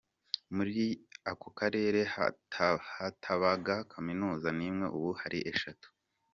Muri ako karere hatabaga kaminuza n’imwe ubu hari eshatu.